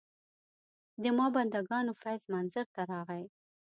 د ما بندګانو فیض منظر ته راغی.